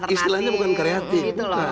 istilahnya bukan kreatif